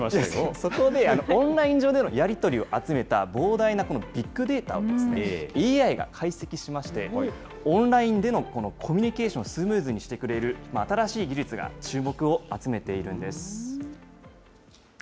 そこでオンライン上でのやり取りを集めた、膨大なこのビッグデータをＡＩが解析しまして、オンラインでのコミュニケーションをスムーズにしてくれる、新しい技術が注目を集めているんです。